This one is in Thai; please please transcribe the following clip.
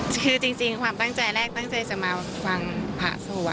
คือจริงความตั้งใจแรกตั้งใจจะมาฟังพระสวด